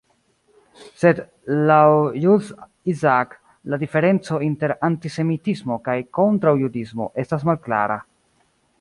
Sed laŭ Jules Isaac la diferenco inter "antisemitismo" kaj "kontraŭjudismo" estas malklara.